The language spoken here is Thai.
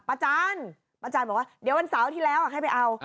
อาจารย์ป้าจันทร์บอกว่าเดี๋ยววันเสาร์ที่แล้วให้ไปเอา